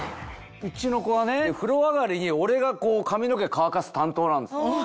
うちの子は風呂上がりに俺が髪の毛乾かす担当なんですよ。